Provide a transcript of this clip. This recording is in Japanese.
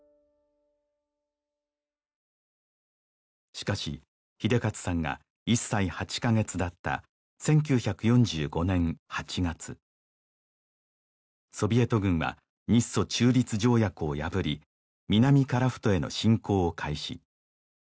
しかし英捷さんが１歳８カ月だった１９４５年８月ソビエト軍は日ソ中立条約を破り南樺太への侵攻を開始